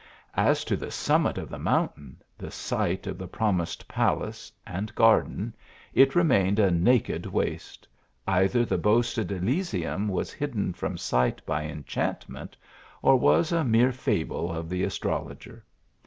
As to the summit of the mountain, the site of the promised palace and garden, it re mained a naked waste : either the boasted Elysium was hidden from sight by enchantment, or was a mere fable of the astrologer.